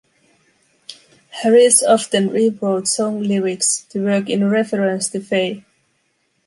Harris often rewrote song lyrics to work in a reference to Faye.